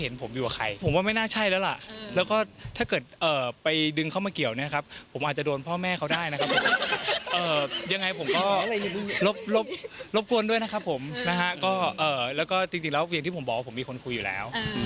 นะฮะแล้วก็จริงแล้วเวียงที่ผมบอกว่าผมมีคนคุยอยู่แล้ว